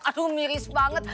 aduh miris banget